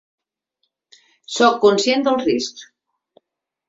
Sóc conscient dels riscs.